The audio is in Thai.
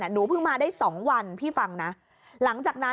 หนูเพิ่งมาได้สองวันพี่ฟังนะหลังจากนั้น